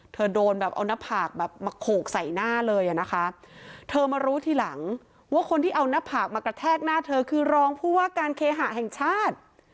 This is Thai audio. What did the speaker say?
โดนแบบเอาหน้าผากแบบมาโขกใส่หน้าเลยอ่ะนะคะเธอมารู้ทีหลังว่าคนที่เอาหน้าผากมากระแทกหน้าเธอคือรองผู้ว่าการเคหะแห่งชาติ